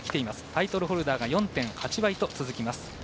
タイトルホルダーが４．８倍と続きます。